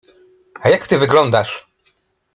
A jak ty wyglądasz!